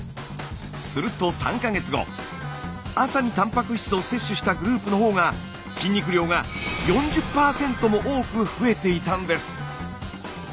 すると３か月後朝にたんぱく質を摂取したグループのほうが筋肉量が４０％も多く増えていたんです。